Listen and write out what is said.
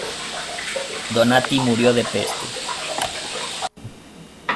Donati murió de peste.